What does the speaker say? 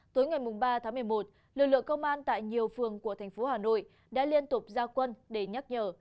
tối ngày ba tháng một mươi một lực lượng công an tại nhiều phường của thành phố hà nội đã liên tục ra quân để nhắc nhở